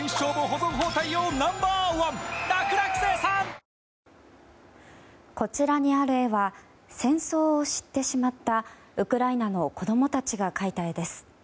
明日、福岡や大阪など西日本ではこちらにある絵は戦争を知ってしまったウクライナの子供たちが描いた絵です。